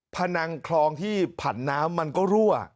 พนังคลองที่ผันน้ำมันก็รั่ว